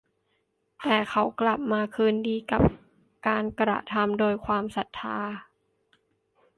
แต่เขากลับมาคืนดีกับการกระทำโดยความศรัทธา